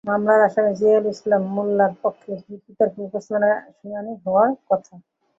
মামলার আসামি জিয়াউল ইসলাম মোন্নার পক্ষে যুক্তিতর্ক উপস্থাপনের শুনানি হওয়ার কথা।